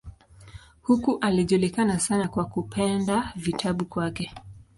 Huko alijulikana sana kwa kupenda vitabu kwake.